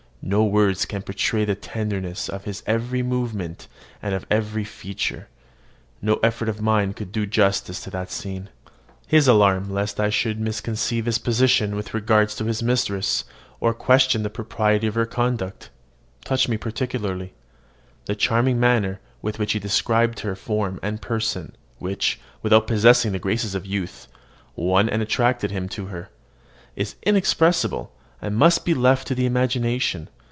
No words can portray the tenderness of his every movement and of every feature: no effort of mine could do justice to the scene. His alarm lest I should misconceive his position with regard to his mistress, or question the propriety of her conduct, touched me particularly. The charming manner with which he described her form and person, which, without possessing the graces of youth, won and attached him to her, is inexpressible, and must be left to the imagination.